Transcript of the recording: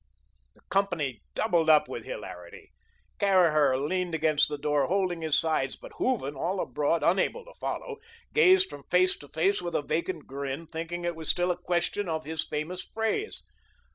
The company doubled up with hilarity. Caraher leaned against the door, holding his sides, but Hooven, all abroad, unable to follow, gazed from face to face with a vacant grin, thinking it was still a question of his famous phrase.